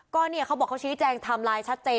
ก็เนี่ยเขาบอกเขาชี้แจงไทม์ไลน์ชัดเจน